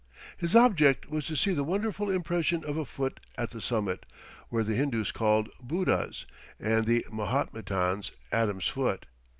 His object was to see the wonderful impression of a foot at the summit, which the Hindoos call "Buddha's," and the Mahometans "Adam's, foot."